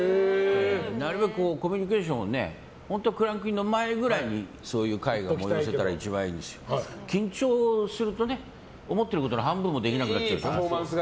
なるべくコミュニケーションを本当はクランクインの前ぐらいにそういう会が催せたら一番いいんですけど緊張すると思ってることの半分もできなくなっちゃうから。